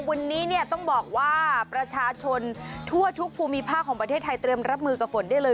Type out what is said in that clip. วันนี้เนี่ยต้องบอกว่าประชาชนทั่วทุกภูมิภาคของประเทศไทยเตรียมรับมือกับฝนได้เลย